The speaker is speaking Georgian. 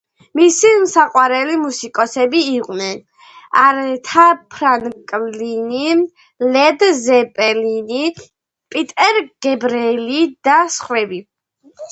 მისი საყვარელი მუსიკოსები იყვნენ: არეთა ფრანკლინი, ლედ ზეპელინი, პიტერ გებრიელი და სხვები.